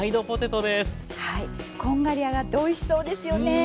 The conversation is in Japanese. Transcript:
はいこんがり揚がっておいしそうですよね。